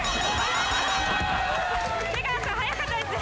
「出川さん早かったですね」